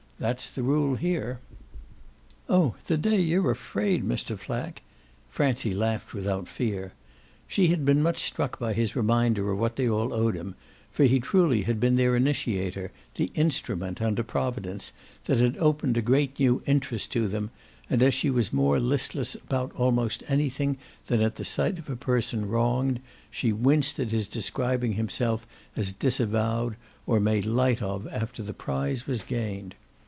That's the rule here." "Oh the day you're afraid, Mr. Flack !" Francie laughed without fear. She had been much struck by his reminder of what they all owed him; for he truly had been their initiator, the instrument, under providence, that had opened a great new interest to them, and as she was more listless about almost anything than at the sight of a person wronged she winced at his describing himself as disavowed or made light of after the prize was gained.